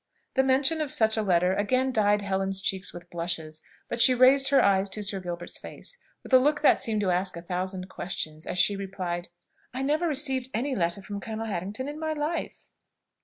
The mention of such a letter again dyed Helen's cheeks with blushes; but she raised her eyes to Sir Gilbert's face, with a look that seemed to ask a thousand questions as she replied, "I never received any letter from Colonel Harrington in my life."